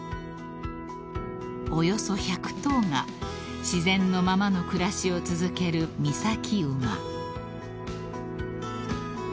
［およそ１００頭が自然のままの暮らしを続ける御崎馬］